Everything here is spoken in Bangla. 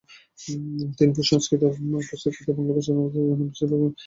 তিনি সংস্কৃত পুস্তকসমূহ বাংলা ভাষায় অনুবাদের জন্য বিশেষভাবে সুপরিচিত।